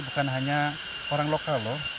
bukan hanya orang lokal loh